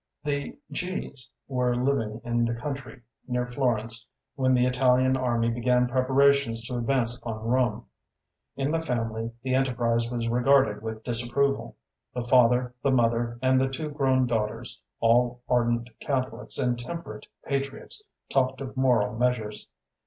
The G s were living in the country, near Florence, when the Italian army began preparations to advance upon Rome. In the family the enterprise was regarded with disapproval. The father, the mother, and the two grown daughters, all ardent Catholics and temperate patriots, talked of moral measures.